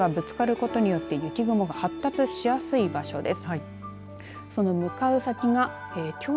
こちらが、風どうしがぶつかることによって雪雲が発達しやすい場所です。